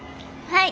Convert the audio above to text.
はい。